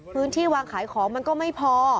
พื้นที่วางขายของมันก็ไม่พอ